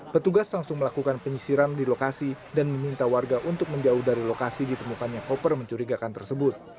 petugas langsung melakukan penyisiran di lokasi dan meminta warga untuk menjauh dari lokasi ditemukannya koper mencurigakan tersebut